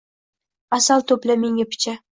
Asal to‘pla menga picha.